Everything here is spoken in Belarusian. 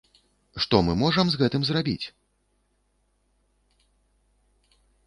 Што мы можам з гэтым зрабіць?